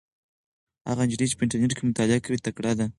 هغه نجلۍ چې په انټرنيټ کې مطالعه کوي تکړه ده.